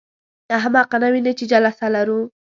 احمقه! نه وینې چې جلسه لرو.